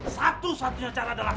satu satunya cara adalah